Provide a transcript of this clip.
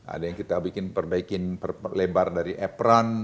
ada yang kita bikin perbaikin perlebar dari apron